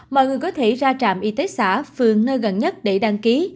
mọi người có thể ra trạm y tế xã phường nơi gần nhất để đăng ký